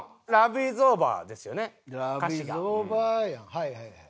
はいはいはい。